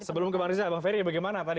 sebelum kemarin sih abang ferry bagaimana tadi